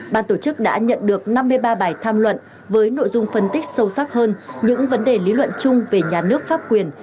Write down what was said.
ban tổ chức đã nhận được năm mươi ba bài tham luận với nội dung phân tích sâu sắc hơn những vấn đề lý luận chung về nhà nước pháp quyền